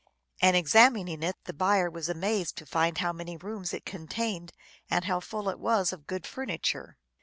And, examining it, the buyer was amazed to find how many rooms it contained, and how full it was of good furniture.